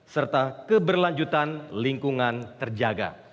serta keberlanjutan lingkungan terjaga